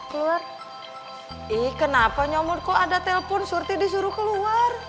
gue mau ngobrol dan sekarang